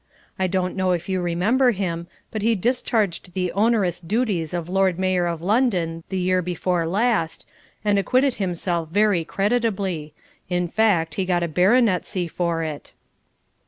I don't know if you remember him, but he discharged the onerous duties of Lord Mayor of London the year before last, and acquitted himself very creditably in fact, he got a baronetcy for it."